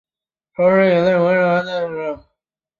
同时也与模王主持人欧汉声获得最佳合作拍档奖的殊荣。